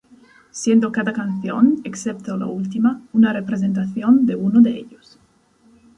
Siendo cada canción, excepto la última, una representación de uno de ellos.